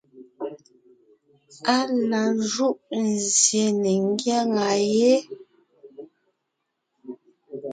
Á la júʼ nzsyè ne ńgyáŋa yé,